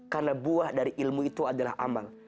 karena buah dari ilmu itu adalah amal